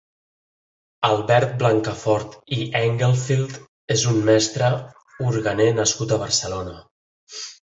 Albert Blancafort i Engelfried és un mestre orguener nascut a Barcelona.